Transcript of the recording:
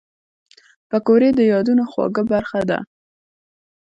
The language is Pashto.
پکورې د یادونو خواږه برخه ده